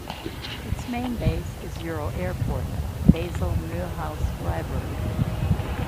Its main base is EuroAirport Basel-Mulhouse-Freiburg.